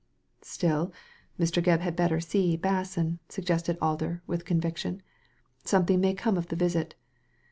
" Still Mr. Gebb had better see Basson," suggested Alder, with conviction. "Something may come of the visit.